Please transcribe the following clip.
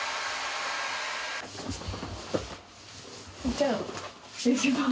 じゃあ消します。